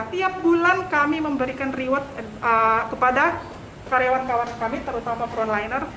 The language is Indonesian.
tiap bulan kami memberikan reward kepada karyawan karyawan kami terutama frontliner